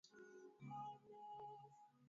namna ya kupika viazi lishe